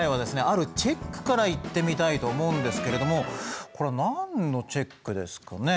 あるチェックからいってみたいと思うんですけれどもこれは何のチェックですかね？